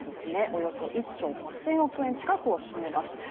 およそ１兆５０００億円近くを占めます